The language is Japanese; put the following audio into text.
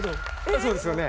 そうですよね。